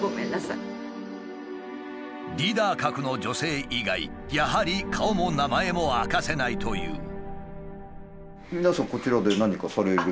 リーダー格の女性以外やはり顔も名前も明かせないという。